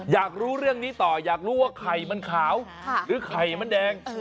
อยากรู้เรื่องนี้ต่ออยากรู้ว่าไข่มันขาวหรือไข่มันแดง